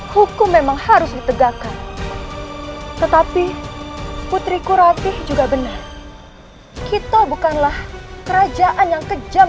hukum memang harus ditegakkan tetapi putri kuratih juga benar kita bukanlah kerajaan yang kejam